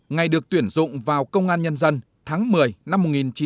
ngày được tuyển dụng vào công an nhân dân tháng một mươi năm một nghìn chín trăm bảy mươi